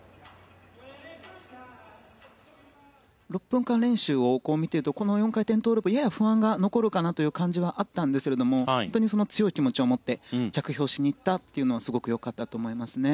６分間練習を見ているとこの４回転トウループやや不安は残るかなという感じはあったんですけれども本当に、その強い気持ちをもって着氷しにいったのがすごく良かったと思いますね。